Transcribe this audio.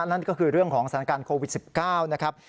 นั่นก็คือเรื่องของสถานการณ์โควิด๑๙นะครับ